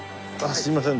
すいません